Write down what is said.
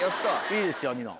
いいですよニノ。